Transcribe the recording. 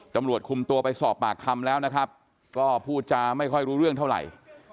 ตำรวจคุมตัวไปสอบปากคำแล้วนะครับก็พูดจาไม่ค่อยรู้เรื่องเท่าไหร่